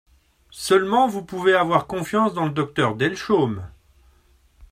Seulement vous pouvez avoir confiance dans le docteur Delchaume.